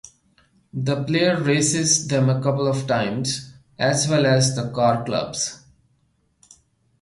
The player races them a couple of times, as well as the car clubs.